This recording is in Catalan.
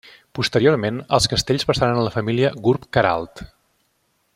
Posteriorment, els castells passaren a la família Gurb-Queralt.